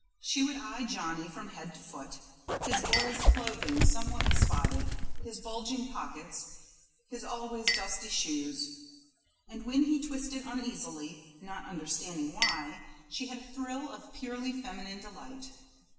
She would eye Johnny from head to foot, his boy's clothing somewhat spotted, his bulging pockets, his always dusty shoes, and when he twisted uneasily, not understanding why, she had a thrill of purely feminine delight.